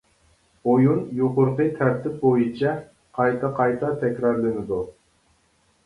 ئويۇن يۇقىرىقى تەرتىپ بويىچە قايتا-قايتا تەكرارلىنىدۇ.